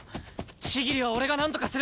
千切は俺がなんとかする！